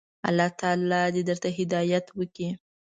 الله تعالی دي درته هدايت وکړي.